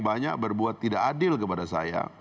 banyak berbuat tidak adil kepada saya